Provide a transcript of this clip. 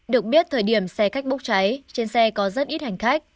được biết thời điểm xe khách bốc cháy trên xe có rất ít hành khách